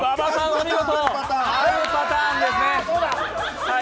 お見事、あるパターンです。